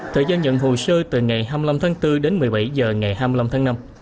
thời gian nhận hồ sơ từ ngày hai mươi năm tháng bốn đến một mươi bảy h ngày hai mươi năm tháng năm